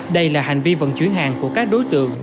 đây là hành vi vận chuyển hàng của các đối tượng